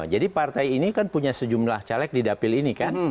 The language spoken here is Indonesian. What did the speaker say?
jadi partai ini kan punya sejumlah caleg di dapil ini kan